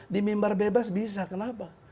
di mimbar bebas bisa kenapa